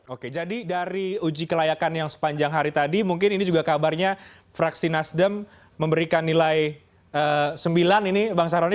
oke jadi dari uji kelayakan yang sepanjang hari tadi mungkin ini juga kabarnya fraksi nasdem memberikan nilai sembilan ini bang saroni